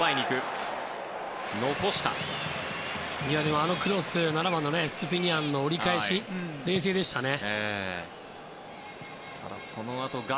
さっきのクロス７番のエストゥピニャンの折り返しが冷静でしたね。